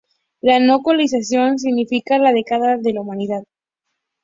La no colonización significará la decadencia de la humanidad.